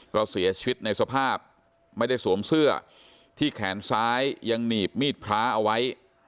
ก็เสียชีวิตในสภาพไม่ได้สวมเสื้อที่แขนซ้ายยังหนีบมีดพระเอาไว้